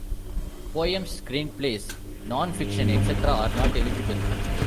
Poems, screenplays, non-fiction, etc., are not eligible.